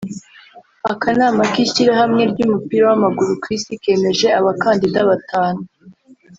Akanama k’ishyirahamwe ry’umupira w’amaguru ku Isi kemeje abakandida batanu